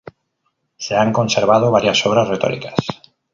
Se han conservado varias obras retóricas.